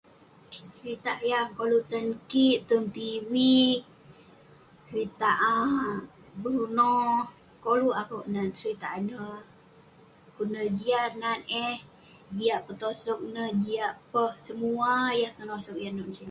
Seritak yah koluk tan kik tong tv seritak a Bruno koluk akuk nat seritak ineh dukuk neh jiat nat eh jiak peh tosok neh jiak peh semua neh yah tenosek yah lak sineh